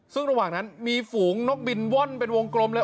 ซึ่งระหว่างนั้นมีฝูงนกบินว่อนเป็นวงกลมเลย